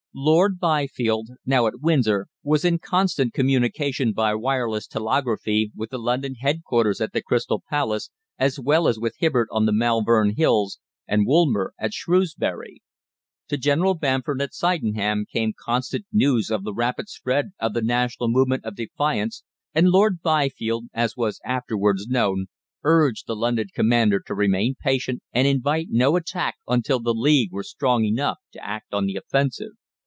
Lord Byfield, now at Windsor, was in constant communication by wireless telegraphy with the London headquarters at the Crystal Palace, as well as with Hibbard on the Malvern Hills and Woolmer at Shrewsbury. To General Bamford at Sydenham came constant news of the rapid spread of the national movement of defiance, and Lord Byfield, as was afterwards known, urged the London commander to remain patient, and invite no attack until the League were strong enough to act on the offensive.